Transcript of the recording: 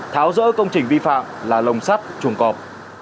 tháo rỡ công trình vi phạm là lồng sắt chuồng cọp